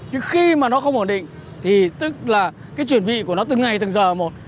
chứ khi mà nó không ổn định thì tức là cái chuẩn bị của nó từng ngày từng giờ một